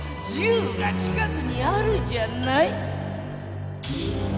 １０が近くにあるじゃない！